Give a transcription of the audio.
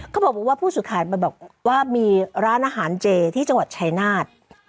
เขาบอกว่าผู้สื่อข่าวไปบอกว่ามีร้านอาหารเจที่จังหวัดชายนาฏ